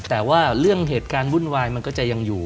แต่ว่าเรื่องเหตุการณ์วุ่นวายมันก็จะยังอยู่